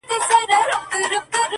زړه چي په لاسونو کي راونغاړه؛